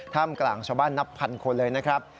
กลางชาวบ้านนับพันคนเลยนะครับ